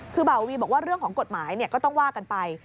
คือเบาวีบอกว่าเรื่องของกฎหมายก็ต้องว่ากันไป